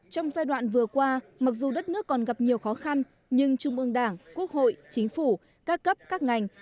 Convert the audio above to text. trong giai đoạn vừa qua mặc dù đất nước còn gặp nhiều khó khăn nhưng trung ương đảng quốc hội chính phủ các cấp các ngành